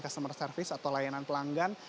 customer service atau layanan pelanggan